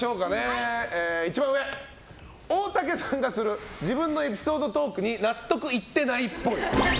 一番上、大竹さんがする自分のエピソードトークに納得いってないっぽい。